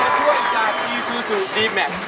ตัวช่วยจากอีซูซูดีแม็กซ์